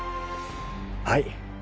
はい。